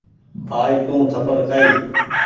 آج تونٚ ٿپڙ کآئي ۔